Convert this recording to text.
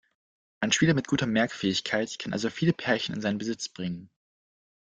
Ein Spieler mit guter Merkfähigkeit kann also viele Pärchen in seinen Besitz bringen.